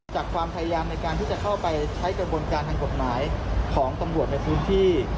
จากความทราบในการที่จะเข้าไปใช้กำบวนการทันกรรมของตำรวจในพุนที่